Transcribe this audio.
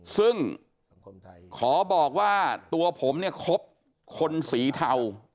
ซึ่งขอบอกว่าตัวผมเนี่ยคบคนสีเทา